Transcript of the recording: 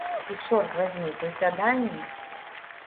І, чорт вазьмі, прысяданні?